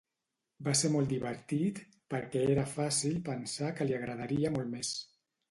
Va ser molt divertit perquè era fàcil pensar que li agradaria molt més.